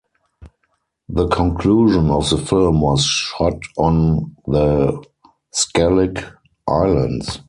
The conclusion of the film was shot on the Skellig Islands.